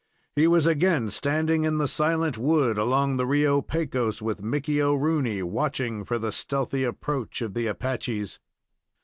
He was again standing in the silent wood along the Rio Pecos, with Mickey O'Rooney, watching for the stealthy approach of the Apaches.